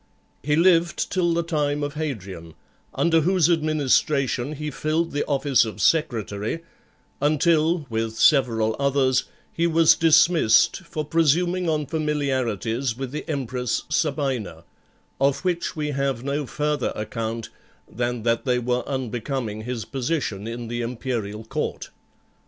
He lived till the time of Hadrian, under whose administration he filled the office of secretary; until, with several others, he was dismissed for presuming on familiarities with the empress Sabina, of which we have no further account than that they were unbecoming his position in the imperial court.